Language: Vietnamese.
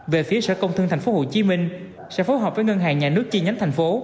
về phía sở công thương tp hcm sẽ phối hợp với ngân hàng nhà nước chi nhánh thành phố